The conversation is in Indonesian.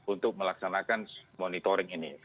untuk melaksanakan monitoring ini